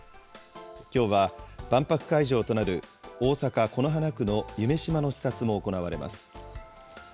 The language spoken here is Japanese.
きょうは万博会場となる大阪・此花区の夢洲の視察も行われます。